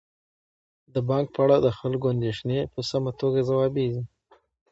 د بانک په اړه د خلکو اندیښنې په سمه توګه ځوابیږي.